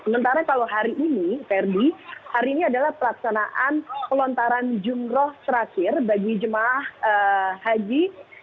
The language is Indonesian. sementara kalau hari ini ferdi hari ini adalah pelaksanaan pelontaran jumroh terakhir bagi jemaah haji